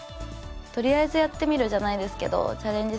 とりあえずやってみるじゃないですけどチャレンジ